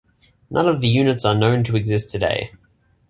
None of the units are known to exist today.